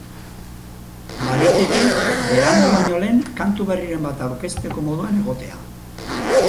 Baliteke berandu baino lehen kantu berriren bat aurkezteko moduan egotea.